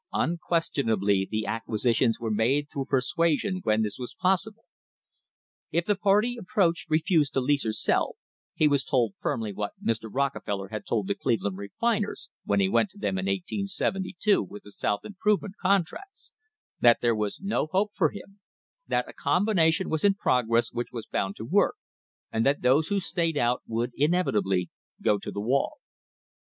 Unques tionably the acquisitions were made through persuasion when ( this was possible. If the party approached refused to lease or sell, he was told firmly what Mr. Rockefeller had told the Cleveland refiners when he went to them in 1872 with the South Improvement contracts, that there was no hope for him; that a combination was in progress which was bound to work; and that those who stayed out would inevitably go to the wall.